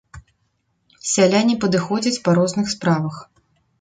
Сяляне падыходзяць па розных справах.